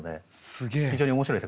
すげえ。